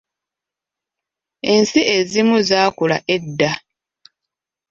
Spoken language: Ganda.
Ensi ezimu zaakula edda!